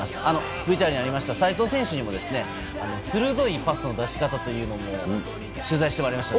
ＶＴＲにもありました齋藤選手にも鋭いパスの出し方も指導してもらいました。